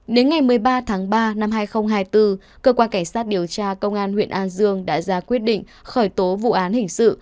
đến ngày một mươi ba tháng ba năm hai nghìn hai mươi bốn cơ quan cảnh sát điều tra công an huyện an dương đã ra quyết định khởi tố vụ án hình sự